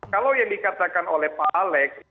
kalau yang dikatakan oleh pak alex